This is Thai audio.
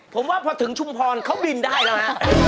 ผมว่าพอถึงชุมพรเขาบินได้แล้วฮะ